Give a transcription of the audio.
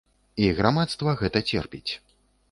І грамадства гэта церпіць.